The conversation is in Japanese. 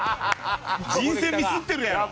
人選ミスってるやろ。